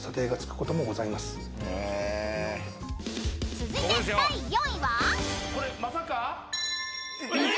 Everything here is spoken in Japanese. ［続いて第４位は］